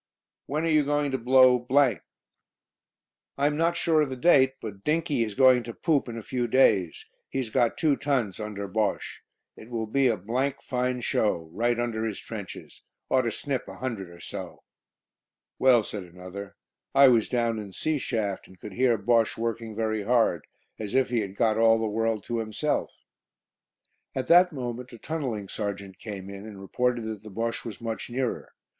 "When are you going to 'blow' ?" "I am not sure of the date, but 'Dinkie' is going to 'poop' in a few days. He's got two tons under Bosche. It will be a fine show; right under his trenches. Ought to snip a hundred or so." "Well," said another, "I was down in C shaft, and could hear Bosche working very hard, as if he had got all the world to himself." At that moment a tunnelling sergeant came in, and reported that the Bosche was much nearer.